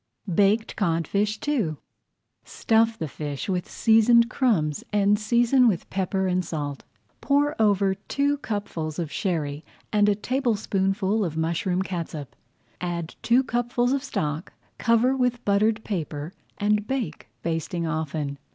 BAKED CODFISH II Stuff the fish with seasoned crumbs and season with pepper and salt. Pour over two cupfuls of Sherry and a tablespoonful of mushroom catsup. Add two cupfuls of stock, cover with buttered paper, and bake, basting often.